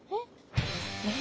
えっ？